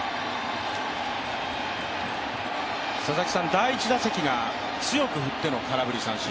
第１打席が強く振っての空振り三振